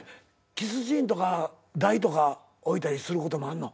キスシーンとか台とか置いたりすることあんの？